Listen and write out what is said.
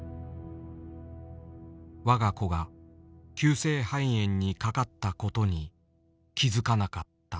我が子が急性肺炎にかかったことに気づかなかった。